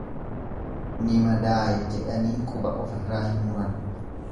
Ni madaaye jedhanii quba ofirraa hin muran.